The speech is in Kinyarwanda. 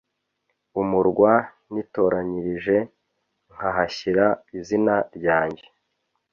umurwa nitoranyirije nkahashyira izina ryanjye